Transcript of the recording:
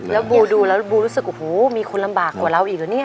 แล้วบูดูแล้วบูรู้สึกโอ้โหมีคนลำบากกว่าเราอีกเหรอเนี่ย